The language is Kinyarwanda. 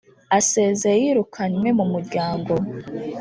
asezeye yirukanywe mu muryango